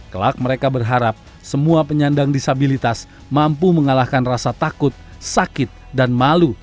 kelak mereka berharap semua penyandang disabilitas mampu mengalahkan rasa takut sakit dan malu